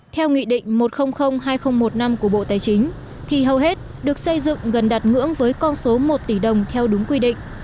thì hầu hết được xây dựng gần đặt ngưỡng với con số một tỷ đồng theo đúng quy định